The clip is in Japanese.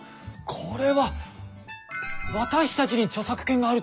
これは私たちに著作権があるってことですね！